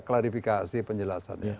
dan klarifikasi penjelasannya